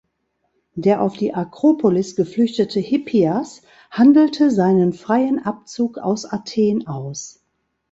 Der auf die Akropolis geflüchtete Hippias handelte seinen freien Abzug aus Athen aus.